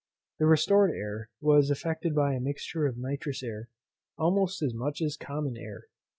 The restored air was affected by a mixture of nitrous air, almost as much as common air.